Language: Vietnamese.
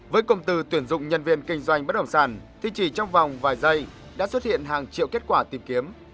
với công từ tuyển dụng nhân viên kinh doanh bất động sản thì chỉ trong vòng vài giây đã xuất hiện hàng triệu kết quả tìm kiếm